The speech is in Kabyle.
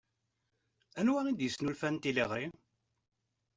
Anwa d-yesnulfan tiliɣri?